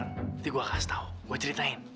nanti gue kasih tau gue ceritain